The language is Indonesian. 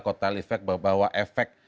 kotal efek bahwa efek